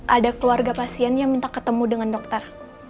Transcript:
ada keluarga pasien yang minta ketemu dengan dokter